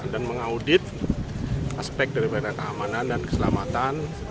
dan mengaudit aspek dari peran amanan dan keselamatan